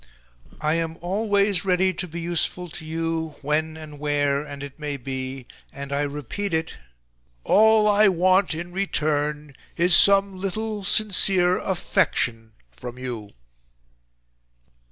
I am ALWAYS READY to be useful to you when and where and it may be, and I repeat it, ALL I WANT IN RETURN IS SOME LITTLE SINCERE AFFECTION FROM YOU."